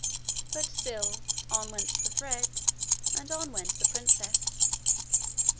But still on went the thread, and on went the princess.